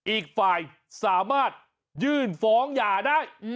อีกฝ่ายสามารถยื่นฟ้องหย่าได้